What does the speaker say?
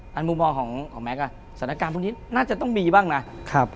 ตอนมุมมองของแม็กซ์ละดังนี้น่าจะต้องมีบ้างนะ